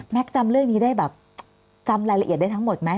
จำเรื่องนี้ได้แบบจำรายละเอียดได้ทั้งหมดไหม